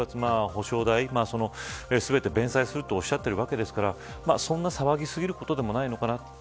保証代を全て弁済するとおっしゃっているわけですからそんな騒ぎすぎることでもないのかなと。